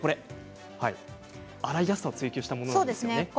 洗いやすさを追求したものです。